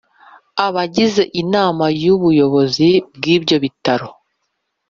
Abagize inama y ubuyobozi bw’ibyo bitaro